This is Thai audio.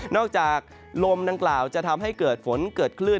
จากลมดังกล่าวจะทำให้เกิดฝนเกิดคลื่น